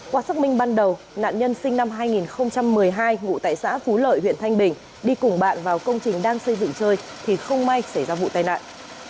qua xác minh ban đầu nạn nhân sinh năm hai nghìn một mươi hai ngụ tại xã phú lợi huyện thanh bình đi cùng bạn vào công trình đang xây dựng chơi thì không may xảy ra vụ tai nạn